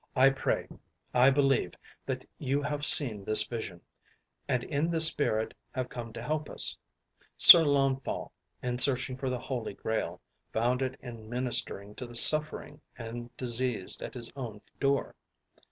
I pray, I believe, that you have seen this vision, and in this spirit have come to help us. Sir Launfal, in searching for the Holy Grail, found it in ministering to the suffering and diseased at his own door.